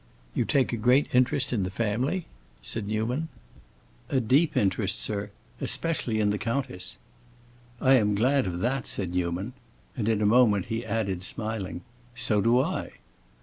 "You take a great interest in the family?" said Newman. "A deep interest, sir. Especially in the countess." "I am glad of that," said Newman. And in a moment he added, smiling, "So do I!"